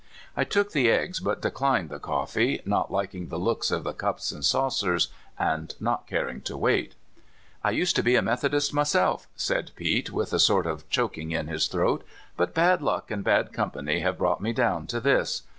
I took the eggs, but decHned the c offee, not likincr the looks of the cups and saucers, and not caring to wait. *' I used to be a Methodist myself," said Pete, with a sort of choking in his throat, *' but bad luck and bad company have brought me down to this.